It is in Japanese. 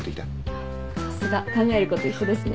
さすが。考えること一緒ですね。